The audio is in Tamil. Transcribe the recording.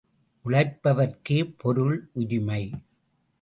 உழைப்பவர்க்கே பொருள் உரிமை!